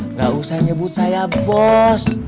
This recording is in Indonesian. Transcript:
nggak usah nyebut saya bos